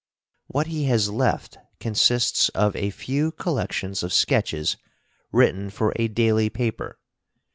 What he has left consists of a few collections of sketches written for a daily paper.